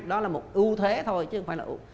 đó là một ưu thế thôi chứ không phải là ủ